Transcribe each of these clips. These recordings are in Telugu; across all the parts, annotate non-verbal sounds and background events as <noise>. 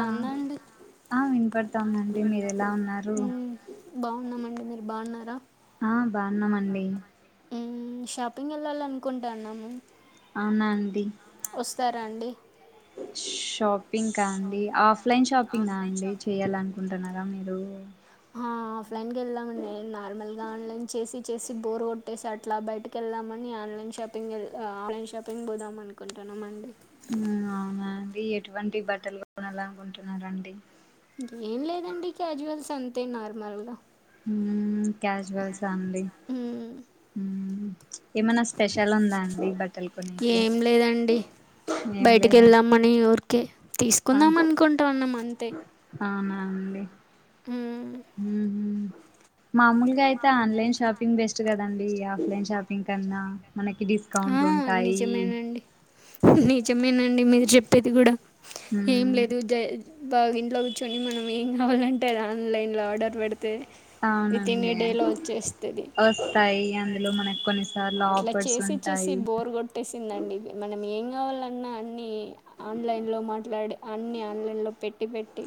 ఆ అండి. ఆ ఆ వినపడతాందండి మీరు వినపపడతాది ఎలా ఉన్నారు హు ఎలా ఉన్నారు బాగున్నామండి, మీరు బాగున్నారా, ఆ బాగున్నామండి, మ్మ్, షాపింగ్ వెళ్ళాల అనుకుంటాన్నాము, అవునా అండి, చూస్తారా అండి, షాపింగ్ కా అండి ఆఫ్లైన్ షాపింగ్ అండి చెయాల అనుకుంటున్నారా మీరు, ఆఫ్లైన్గా వెళ్దామండి నార్మల్గా ఆన్లైన్ చేసి చేసి బోర్ కొట్టేసి అట్లా బయటకి వెళ్దామని ఆన్లైన్ షాపింగ్ ఆన్లైన్ షాపింగ్ పోదామ అనుకుంటున్నామండి, అవునాండి ఎటువంటి బట్టలు కొనాల అనుకుంటున్నరు అండి, ఏం లేదండి క్యాజువల్స్ అంతే నార్మల్గా, క్యాజువల్స్ అండి, మ్మ్. ఏమనా స్పెషల్ ఉందా అండి బట్టలు కొనేకి ఏం లేదండి ఏం బయటికి లేదు అండి, వెళ్దామని ఊరికే తీసుకుందాం అనుకుంటన్నాం అంతే అవునా అండి హు మమూలు అయితే ఆన్లైన్ షాపింగ్ బెస్ట్ కదండి ఆఫ్లైన్ షాపింగ్ తెన్నా మనకి ఆ! డిస్కౌంట్లు ఉంటాయి జమేనండి మీరు చెప్పేది కూడా ఏం మ్మ్ లేదు జై బాగా ఇంట్లో కూర్చొని మనం ఏం కావాలంటే అది ఆన్లైన్ లో ఆర్డర్ పెడ్ అవునండి వచ్చేస్తది. వోస్తాయి అందులో మనకు కొన్నిసార్లు అట్లా ఆఫర్స్ చేసి ఉం చేసి బోర్ కొట్టేసిందండి ఇది మనం ఏం కావాలన్నా అన్ని ఆన్లైన్ లో మాట్లాడి అన్ని ఆన్లైన్లో పెట్టి పెట్టి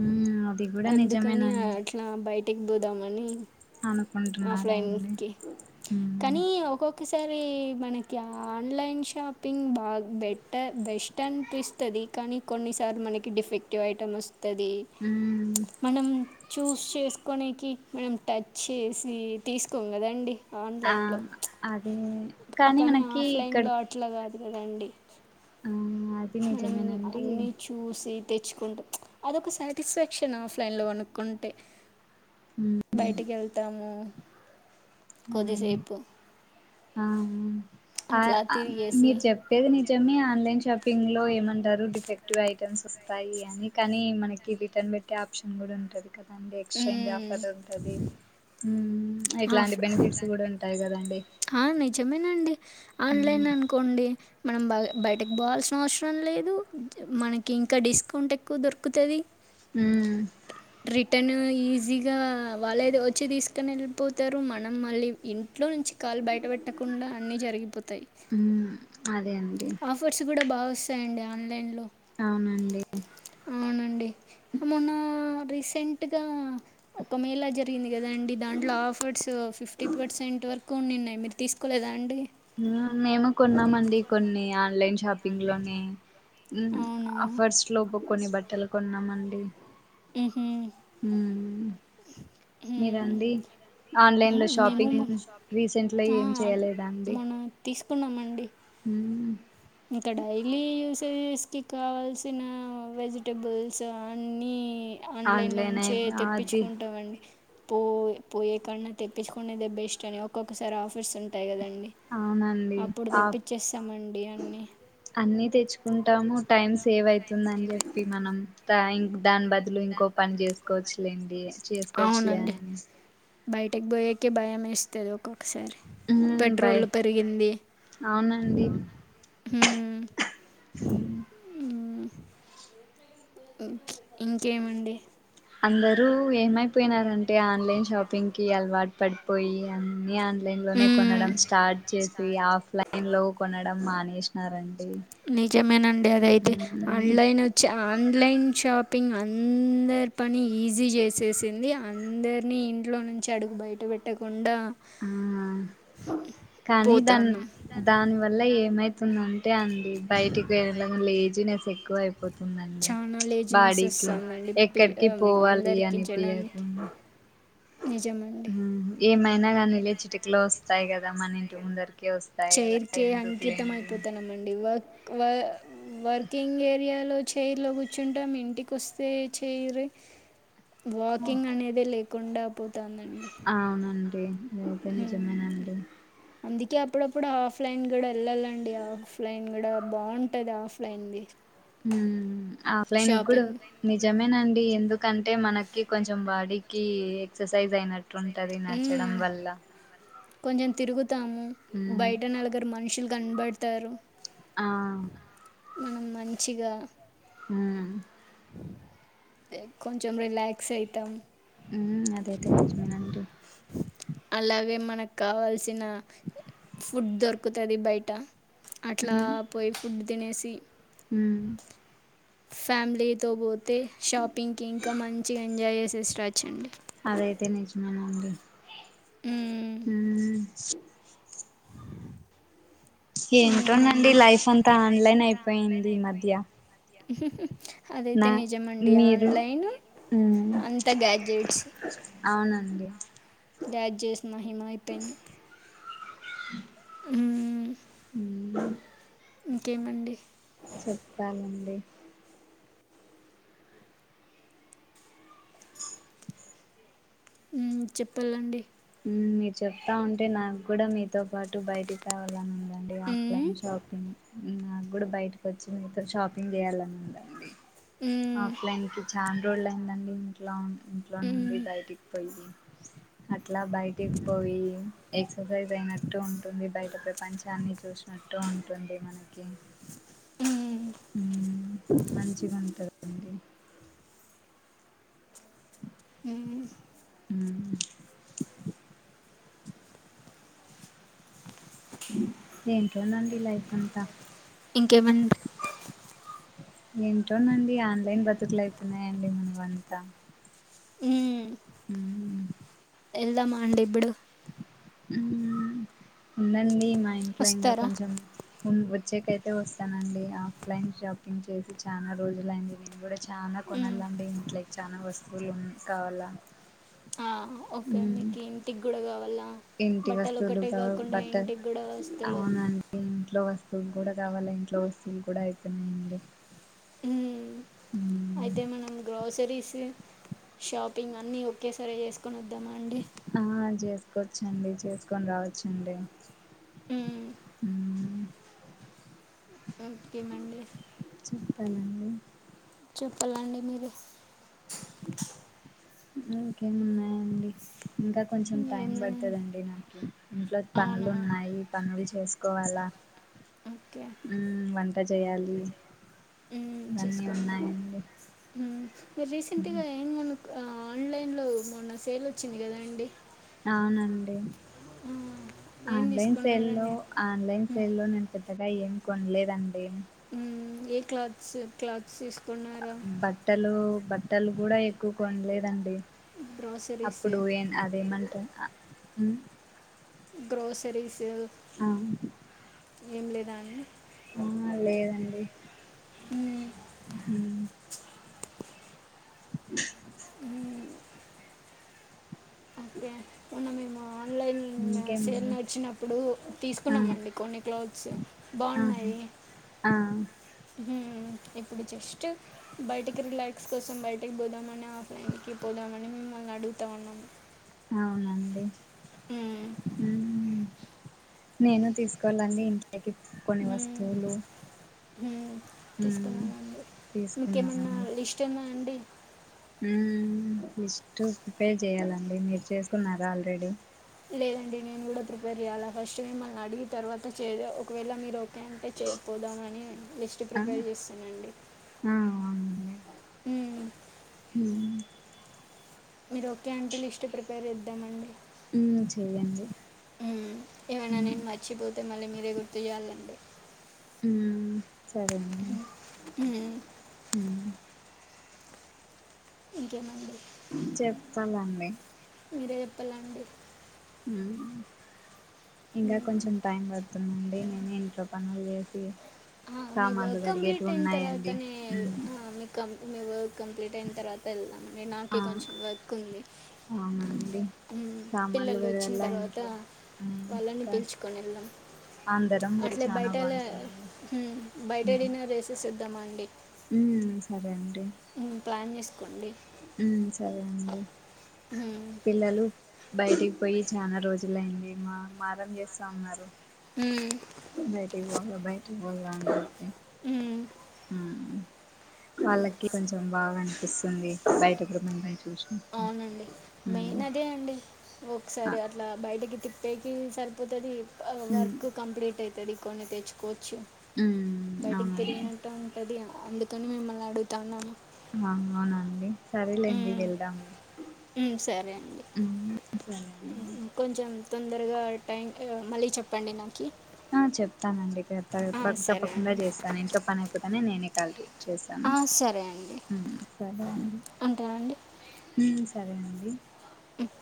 మ్మ్ అది కూడా అందుకని నిజమేనండి అట్లా బయటకి పోదామని అనుకుంటున్నారా అండి ఆఫ్లైన్కి మ్మ్ కానీ ఒక్కొక్కసారి మన ఆన్లైన్ షాపింగ్ బాగా బెటర్ బెస్ట్ అనిపిస్తుంది కానీ కొన్నిసార్లు మనకి డిఫెక్టివ్ ఐటమ్ వస్తుం టది మ్మ్ మనం చూస్ చేసుకోనికి మనం టచ్ చేసి తీసుకోం కదండి ఆ ఆన్లైన్లో అదే కానీ మనకి ఇక్కడ <unintelligible> ఆ అది మనం నిజమేనండి అన్ని చూసి తెచ్చుకుంటు అదొక సాటిస్ఫాక్షన్ ఆఫ్లైన్లో కోనుక్కుంటే మ్మ్ బయటికి ఏళ్తాము అవునండి ఆ అట్లా ఆ తిరిగేసి మీరు చెప్పేది నిజమే ఆన్లైన్ షాపింగ్ లో డెఫెక్టివ్ రిటన్స్ వస్తాయి అని కానీ మనకి రిటర్న్ పెట్టే ఆప్షన్ కూడా ఉంటది కద అండ్ ఎక్స్చేంజ్ ఆఫర్ ఉంటది ఆఫ్ ఇట్లాంటి బెనిఫిట్స్ గుడా ఉంటాయి గా దండి హా నిజమే న ఆన్లైన్ ఉమ్, అనుకోండి మనం బ బయటకు బోవాల్సిన అవసరం లేదు మనకి ఇంకా డిస్కౌంట్ ఎక్కువ దొరుకుతది మ్ రిటర్న్ ఈజీగా వాల్లెదో వచ్చి దీసుకని యెళ్ళిపోతారు మనం మళ్ళీ ఇంట్లో నుంచి కాలు బయట పెట్టకుండా అన్నీ జరిగిపోతాయి అ ఆఫర్స్ గూడా బాగు వస్తాయండి ఆన్లైన్ లో అవునండి మొనండి మొన్న రీస రీసెంట్ గా ఒక మేళ జరిగింది దండి దాంట్లో ఆఫర్స్ ఫిఫ్టీ పర్సెంట్ వరక్ కోన్నిన్నయ్ మీరు తీసుకోలేదా అండి మేము కొన్నామండి కొన్ని లైన్ షాపింగ్ లోనే అవునా? ఆఫర్స్ లోపు కొన్ని బట్టలు కొన్నా కొన్నామండి ఊహు ఉమ్, మీరండి ఆన్లైన్ లో మేము షాపింగ్ మన రీసెంట్ లో ఏం చేయలేదా అండి మ్ తీసుకున్నామండి మ్ పిల్స్ కావాల్సిన వెజిటబుల్స్ అన్నీ ఆన్లైన్ లో నుంచే అయిపో అది తెప్పించుకుంటామండి పో పోయే కన్నా తెప్పించుకునేదే బెస్ట్ అని ఒక్కొక్కసారి ఆఫర్స్ ఉంటాయి కదండి అవునండి అప్పుడు ఆ తెప్పించేస్తామండి అన్ని అన్నీ తెచ్చుకుంట ఉంటాము టైం సేవ్ అవుతుందని చెప్పి మనం థాంక్ దాని బదులు ఇంకో పని చేసుకోవచ్చులేండి చేసుకోవచ్చులే అని బయటకి పోయక భయం యె స్తది ఒక ఒకసారి మ్మ్ బై పెట్రోల్ పెరిగింది అవునా హుమ్ ఉమ్ ఇం ఇంకేమండి అందరుూ ఏమైపోయినారంటే ఆన్లైన్ షాపింగ్ కి అలవాటు పడిపోయి అన్ని అ ఆలైన్ లోనే కొనడం ఆన్లైన్లో స్టార్ట్ చేసి ఆఫ్లైన్ లో కొనడం మానేసినారండి నిజమేనండి అదైతే ఆన్లైన్ వచ్చి ఆన్లైన్ షాపి పింగ్ అందరి పని ఈజీ చేసేసింది అందరినీ ఇంట్లో నుంచి అడుగు బయట పెట్టకుండా ఆ కానీ దాని పోతాన్నాం దాని వల్ల ఏమైతుంద అంటే అండి బయటికి వెేళ్ళలెం లేజీనెస్ ఎక్కువ అయిపోతుంది అంతెనదండి చాలా లేజినెస్ బాడీకి వస్తుందండి పిల్ ఎక్కడికి ఆ, ఆమ్, ఎక్కడికి పోవాలి అందరికీ వెళ్ళినా జనానికి అనిపియదు నిజమండి ఏమైనాగానీళ్ లే చిటికలో వస్తాయి కదామ్ మనింటి ముంద చేరికే అంకితం అయిపోతానమండి ఇవా వ వర్కింగ్ ఏరియాలో చైర్లో కూర్చుంటం ఇంటికి వస్తే చేయిరు వాకింగ్ అనేది లే కుండాపు వతోందండి అంటే ఇదైతె నిజమేనండి ఇక అప్పుడప్పుడు ఆఫ్లైన్ కూడా వెళ్ళాలండి ఆఫ్లైన్ కూడా బాగుంటది ఆఫ్లైన్ ఆఫ్లైన్ కూడా నిజమేనండి ఎందుకంటే మనకు కొంచెం బాడీకి ఎక్సర్సైజ్ అయినట్ ట్ ఉంటది నచ్చడం మ్మ్. వల్ల కొంచెం తిరుగుత్ తాము ఉమ్ బయట నలగరి మనుషులు కనబడతారు ఆ మనం మంచిగా హ కొంచెం రిలాక్స్ అవుతాం ఉ అదేతే నిజమనంట కావల్సి తినా ఫుడ్ దొరక తది బయట అట్లా పోయ్ ఫుడ్ తినేసి తి హుమ్ ఫ్యామిలీతో బో తే షాపింగ్ కి ఇంకా మంచిగా ఎంజాయ్ చేస్ చేస్రచ్చండి అదైతే నిజమే అండి హుమ్ ఏంటోనండి ఏమండి లైఫ్ అంతా ఆన్లైన్ అయిపోయింది ఈ మధ్య మధ్య అదైతే నా నిజమండి మీరు ఆన్లైన్ ఉమ్ అంత గ్యాడ్జెట్స్ అవునండి గ్యాడ్జెట్స్ మహిమ అయిపోయింది హుమ్ ఉా ఇంకేమండి చెప్పాలండి చెప్పాలండి మీరు చెప్తా ఉంటే నాకు కూడా మీతో పాటు బయటికి పోవాలనుంది అంటే ఆన్లైన్ షాపింగ్ నాకు కూడ బయటకి వచ్చి మీతో షాపింగ్ చేయాలని ఉందండి మ్మ్. ఆఫ్లైన్ కి చా రోల్ అయిందండి ఇంట్లో ఇంట్లో నుండి మ్మ్. బయటికి పోయి అ ఎట్లా బయటికి పోయి ఎ ఎక్సర్సైజ్ అయినట్టు ఉంటుంది బయట ప్రపంచాన్ని చూసినట్టు ఉంటుంది మనకి మ్మ్. హుమ్ మంచిగుంటది హుమ్ ఉ ఏంటోనండి లైఫ్ అంతా ఇంకేమన్ ఏంటోనండి ఆన్లైన్ బతుకలు అయిపోయినాయండి మనవంతా హుమ్ ఎళ్దామా అండి ఇప్పుడు హుమ్ ఉందండి మ ఇంట్లో ఇంగ వస్తారా కొంచెం ఉన్ వచ్చేకైతే వస్తానండి ఆఫ్లైన్ షాపింగ్ చేసి చానా రోజులయింది నేను కూడా చాల మ్మ్. కొనాలండి ఇంట్లోకి చనా వస్తువులు కావలా నీకు ఏంటికి కూడా కావాలా ఇంటి బట్టలు వస్తువులు ఒకటే కా కాకుండా బట్ట ఇంటికి కూడా వస్తువులు అవునండి ఇంట్లో వస్తువులు కూడా కావాలా ఇంట్లో వస్తువులు కూడా అయిపోయినాయండి మ్మ్. ఉ అయితే మనం గ్రోసరీస్ షాపింగ్ అన్ని ఒకేసర చేసుకు కునుూద్ద మండ తీసుకొచ్చండి చేసుకొని రావచ్చండి మ్మ్. ఎంపకీ మండే పనండి చెప్పాలండి మీరుే ఓకే ఉన్నాయా అండి ఇంకా కొంచెం ఏం టైం లేదండి పడుతుందండి నాకు ఇంట్లో పనులు అవునా ఉన్నాయి పనులు చేసుకోవాలా ఓకే వంట చేయాలి మ్మ్, ఇవన్నీ ఉన్నాయండి మీరి రీసెంట్ గా మ్మ్ ఏం మన ఆన్లైన్లో మొన్న సేల్ వచ్చింది కదా అండి అవునండి ఏం ఆన్లైన్ సేల్ లో తీసుకున్నారండి? ఆన్లైన్ హ్మ్. సేల్లో నేను పె అత్తగా ఏం కొనలేదండి ఏ క్లాత్స్ క్లాత్స్ ఇ బట్టలు బట్టలు కూడా ఎక్కువ కొండలేదండి గ్రోసరీస్, అప్పుడు ఏం అదేమంటారు ఉ గ్రోసరీస్ ఇ ఏం లేదా అని ఆ లేదండి అ మ్మ్ అ ఓకే మొన్న మేము ఆన్లైన్ సేల్ ఇంకేమండి నడిచినప్పుడు ఆ తీసుకున్నామండి కొన్ని క్లోత్స్ ఆ బాగున్నాయి ఆ ఇప్పుడు జస్ట్ బయటికి రిలాక్స్ కోసం బయటకి పోదామని ఆఫ్లైన్కి పోదామని మిమ్మల్ని అడుగుతా ఉన్నాము అవునండి ఉమ్ మ్మ్ నేను తీసుకోవాలండి ఇంట్లోకి కొన్ని ఉహ్మ్ వస్తువులు ఉహ్మ్ మ్మ్ తీసుకున్ననండి మీకేమన్నా లిస్ట్ ఉందా అండి హుమ్ లిస్ట్ పే చెయాలండి మీరు చేసుకున్నారా ఆల్రెడీ లేదండి. నేను కూడా ప్రిపేర్ చేయాలా ఫస్ట్ మిమ్మల్ని అడిగి తర్వాత చేయ ఒకవేళ మీరు ఓ కే అంటే చేరిపోదామని లిస్ట్ ఆ ప్రిపేర్ చేస్తానండి ఆ అవునండి ఉహ్మ్ మ్మ్ మీరు ఓకే అంటే లిస్ట్ ప్రీ పేర్ చేద్దామని మ్మ్ చెయ్యండి ఉహ్మ్ ఏమన్నా మ్మ్ నేను మర్చిపోతే మళ్ళీ మీరే గుర్తు చేయాలండి. ఉహ్మ్ సరే అండి హ్మ్. ఉహ్మ్ ఇంకేమండి చెప్పాలండి మీరే చెప్పాలండి ఉహ్మ్ ఇంకా మ్మ్. కొంచెం టైం పడుతుందండి. నేను ఇంట్లో పనులు చేస్ ఏ ఆ మీ వర్క్ కంప్లీట్ అయిన తర్వాతనే మ్మ్ ఆ మీ కంప్ కంప్లీట్ అయిన తర్వాత వెళ్దాం. నాకే ఆ కొంచెం వర్క్ ఉంది. అవునండి ఉహ్మ్ సామాన్లు పిల్లలు వచ్చిన కడగల్ల తర్వాత ఇంట్లో వాళ్ళని ఇంకా పిలుచుకొని వెళ్దాం అందరం ఊరి అట్లే చానా బయటెల బాగుంటుందండి ఉహ్మ్ బయటే డిన్నర్ చేసేసిద్దామ అండి. ఉమ్ సరే అండి. ఉహ్మ్ ప్లాన్ చేస్త్ కోండి ఉహ్మ్ సరే అండి మ్మ్. పిల్లలు బయటికి పోయి చానా రోజులయింది మా మారం చేస్తా ఉన్నారు. మ్మ్. బయటికి పోదాం బయటి మోనంచి మ్మ్. హుమ్ వాళ్ళకి కొంచెం బాగా అనిపిస్తుంది. బయట ప్రపంచం చూసినప్పుడు అవునండి. ఉమ్ మెయిన్ అదే అండి ఆ ఒకసారి అట్లా బయటికి తిప్ బేకింగ్ సరిపోతది ఉమ్ వర్క్ కంప్లీట్ అయితది కొన్ని తెచ్చుకో చ్చు ఉమ్ బయటికి అవునండి తిరిగినట్టు ఉంటది. అందుకని మిమ్మల్ని అడుగుతన్నాము ఆ అవునండి సరేలేండి ఉమ్, వెళ్దాము ఉమ్, సరే అండి ఉమ్ సరే అండి ఉమ్, కొంచెం తొందరగా టైం మళ్ళీ చెప్పండి నాకి ఆ చెప్ప చేస్తానండి ఇక తప్పకు సరే తప్పకుండా అండి చేస్తాను ఇంట్లో పని అయిపోతా నేను తల్ కి చేసాను ఆ, సరే అండి ఉమ్ సరే అండి ఉంటానండి ఉమ్ సరే అండి ఉప్